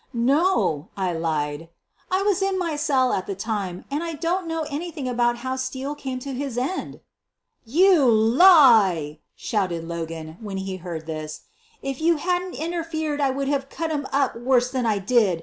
"No," I lied, "I was in my cell at the time, and QUEEN OF THE BURGLARS 143 don't know anything about how Steele came to his end." "You lie!" shouted Logan, when he heard this. 1 1 If you hadn 't interfered I would have cut him up worse than I did.